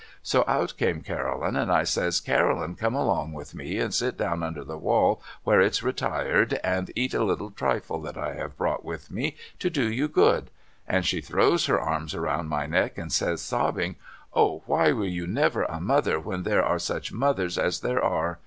So out came Caroline and I says ' Caroline come along with me and sit down under the wall where it's retired and eat a little tritie that I have brought with me to do you good,' and she throws her arms round my neck and says sobbing ' O why were you never a mother when there are such mothers as there are